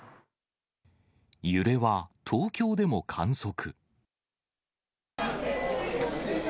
揺れは東京でも観測。